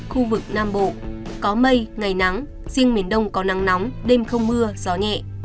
khu vực nam bộ có mây ngày nắng riêng miền đông có nắng nóng đêm không mưa gió nhẹ